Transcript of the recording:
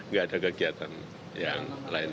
nggak ada kegiatan yang lain